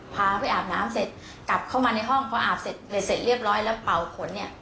พาไปอาบน้ำเสร็จกลับเข้ามาในห้องพออาบเสร็จเรียบร้อยแล้วเป่าขนเนี่ย